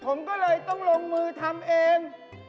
ผมก็เลยต้องลงมือทำเอง